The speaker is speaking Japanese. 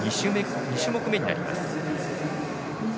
２種目めになります